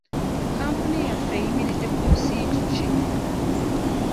Kampuni yaffe eyimiridde ku musingi ki?